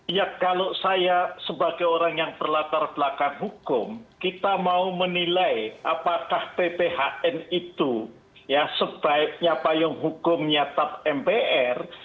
ya kalau saya sebagai orang yang berlatar belakang hukum kita mau menilai apakah pphn itu ya sebaiknya payung hukumnya tap mpr